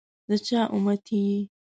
دچا اُمتي يی؟